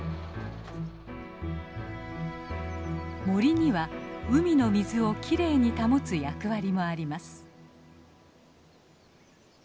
森には海の水をきれいに保つ役割もあります。